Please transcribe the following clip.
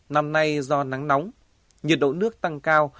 năm nay do nắng nóng nhiệt độ nước tăng cao